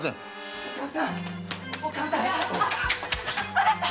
あなた！